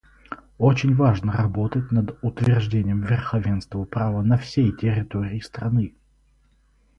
Очень важно работать над утверждением верховенства права на всей территории страны.